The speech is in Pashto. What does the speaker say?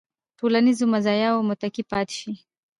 ټولنیزو مزایاوو متکي پاتې شي.